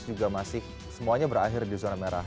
juga masih semuanya berakhir di zona merah